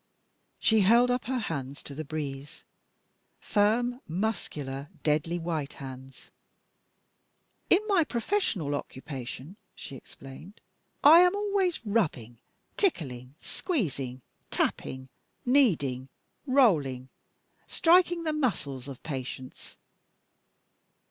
She held up her hands to the breeze; firm, muscular, deadly white hands. "In my professional occupation," she explained, "I am always rubbing, tickling, squeezing, tapping, kneading, rolling, striking the muscles of patients.